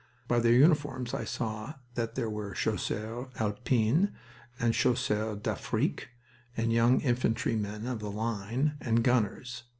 By their uniforms I saw that there were Chasseurs Alpins, and Chasseurs d'Afrique, and young infantrymen of the line, and gunners.